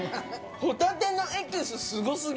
ほたてのエキス、すごすぎ。